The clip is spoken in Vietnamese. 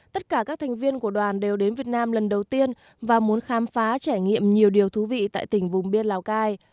tất cả các thành viên của đoàn đều đến việt nam lần đầu tiên và muốn khám phá trải nghiệm nhiều điều thú vị tại tỉnh vùng biên lào cai